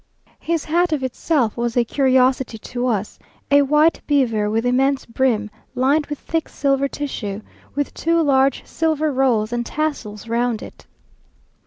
His hat of itself was a curiosity to us; a white beaver with immense brim, lined with thick silver tissue, with two large silver rolls and tassels round it.